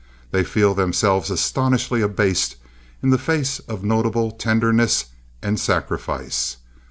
They feel themselves astonishingly abased in the face of notable tenderness and sacrifice.